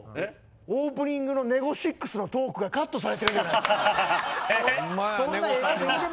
オープニングのネゴシックスのトークがカットされてるじゃないですか。